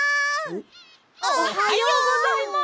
おはよう！おはようございます！